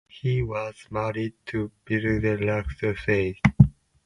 He was married to biologist Rose Frisch.